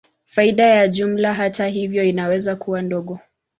Faida ya jumla, hata hivyo, inaweza kuwa ndogo.